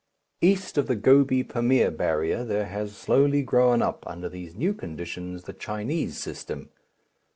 East of the Gobi Pamir barrier there has slowly grown up under these new conditions the Chinese system.